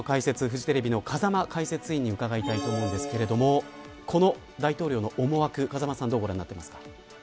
フジテレビの風間解説委員に伺いたいと思うんですがこの大統領の思惑、風間さんはどうご覧になってま